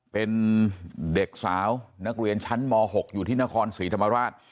เป็นเด็กสาวนักเรียนชั้นม๖อยู่ที่นครศรีธรรมราช